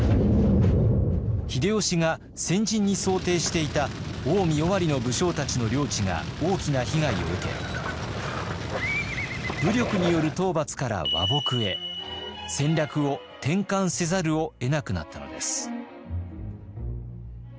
秀吉が戦陣に想定していた近江尾張の武将たちの領地が大きな被害を受け武力による討伐から和睦へ戦略を転換せざるをえなくなったのです。